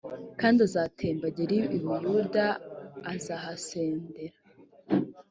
kandi azatemba agere i buyuda azahasend ra